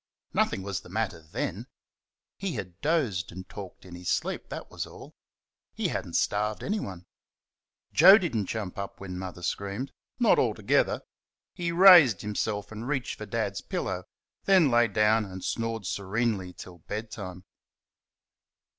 Nothing was the matter THEN. He had dozed and talked in his sleep, that was all; he had n't starved anyone. Joe did n't jump up when Mother screamed not altogether; he raised himself and reached for Dad's pillow, then lay down and snored serenely till bed time.